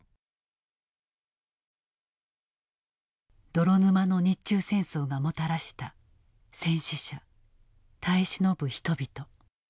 泥沼の日中戦争がもたらした戦死者耐え忍ぶ人々。